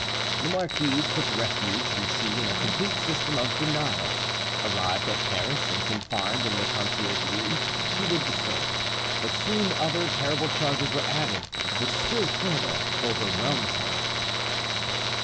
The marquise took refuge, we see, in a complete system of denial: arrived in Paris, and confined in the Conciergerie, she did the same; but soon other terrible charges were added, which still further overwhelmed her.